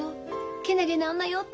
けなげな女よって。